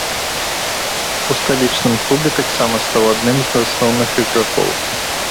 У сталічным клубе таксама стаў адным з асноўных ігракоў.